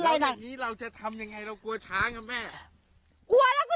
อะไรน่ะแล้วอย่างงี้เราจะทำยังไงเรากลัวช้างอ่ะแม่กลัวแล้วก็